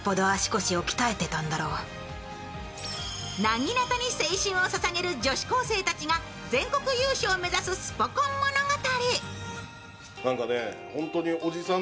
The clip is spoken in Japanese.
なぎなたに青春をささげる女子高生たちが全国優勝を目指すスポ根物語。